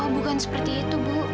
bukan seperti itu bu